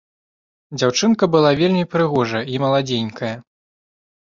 Дзяўчынка была вельмі прыгожая і маладзенькая.